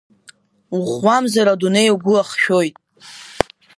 Уӷәӷәамзар, адунеи угәы ахшәоит.